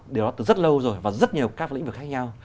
điều đó từ rất lâu rồi và rất nhiều các lĩnh vực khác nhau